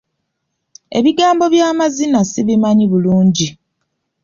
Ebigambo by'amazina sibimanyi bulungi.